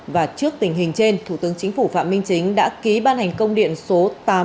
và trước tình hình trên thủ tướng chính phủ phạm minh chính đã ký ban hành công điện số tám trăm tám mươi